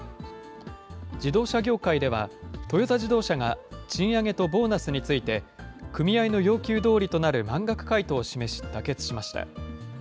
自動車業界では、トヨタ自動車が賃上げとボーナスについて、組合の要求どおりとなる満額回答を示し妥結しました。